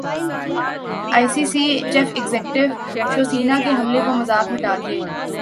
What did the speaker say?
ائی C C chief executive Shiv Sena کے حملے کو مذاق میں ٹال گئے